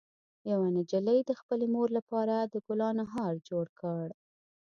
یوه نجلۍ د خپلې مور لپاره د ګلانو هار جوړ کړ.